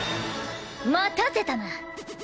待たせたな。